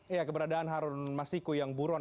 ya keberadaan harun masiku yang buron